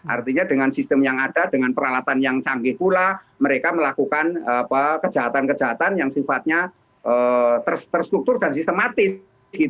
artinya dengan sistem yang ada dengan peralatan yang canggih pula mereka melakukan kejahatan kejahatan yang sifatnya terstruktur dan sistematis